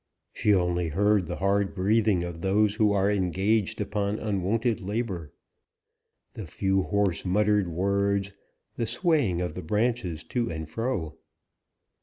She only heard the hard breathing of those who are engaged upon unwonted labour; the few hoarse muttered words; the swaying of the branches to and fro.